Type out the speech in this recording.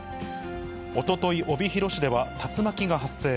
おととい、帯広市では竜巻が発生。